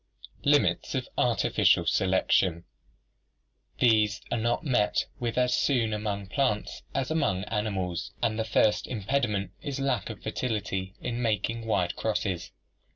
Limits of Artificial Selection These are not met with as soon among plants as among animals, and the first impediment is lack of fertility in making wide crosses.